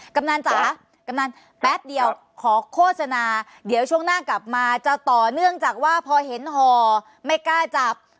กำนันจ๋ากำนันแป๊บเดียวขอโฆษณาเดี๋ยวช่วงหน้ากลับมาจะต่อเนื่องจากว่าพอเห็นห่อไม่กล้าจับ